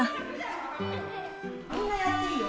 みんなやっていいよ。